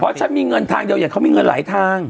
เพราะฉันมีเงินใหญ่เขามีเงินหลายทาง